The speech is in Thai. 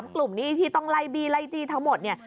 กลุ่มนี้ที่ต้องไล่บี้ไล่จี้ทั้งหมดเนี่ย